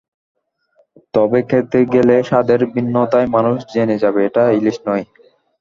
তবে খেতে গেলে স্বাদের ভিন্নতায় মানুষ জেনে যাবে, এটা ইলিশ নয়।